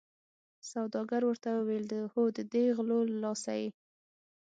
سوداګر ورته وویل هو ددې غلو له لاسه یې.